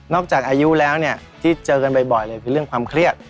จากอายุแล้วเนี่ยที่เจอกันบ่อยเลยคือเรื่องความเครียด